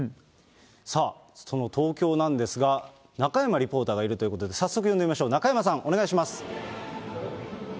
さあ、その東京なんですが、中山リポーターがいるということで、早速呼んでみましょう、中山さん、お願いします。